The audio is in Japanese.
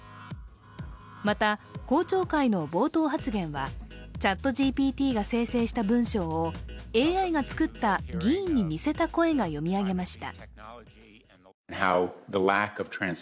また、公聴会の冒頭発言はＣｈａｔＧＰＴが生成した文章をＡＩが作った議員に似せた声が読み上げました。